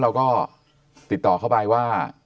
เราก็ติดต่อเข้าไปว่า